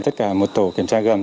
tất cả một tổ kiểm tra gầm